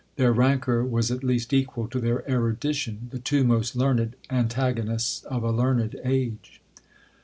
Their rancour was at least equal to their erudition, the two most learned antagonists of a learned age!